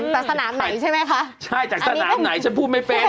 จากสนามไหนใช่ไหมคะอันนี้เป็นใช่จากสนามไหนฉันพูดไม่เป็น